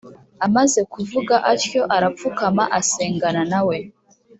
amaze kuvuga atyo arapfukama asengana nawe